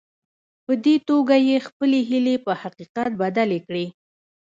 په دې توګه يې خپلې هيلې په حقيقت بدلې کړې.